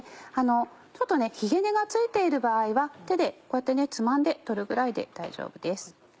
ちょっとねひげ根が付いている場合は手でこうやってつまんで取るぐらいで大丈夫です。